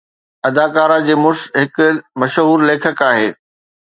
اداکارہ جي مڙس هڪ مشهور ليکڪ آهي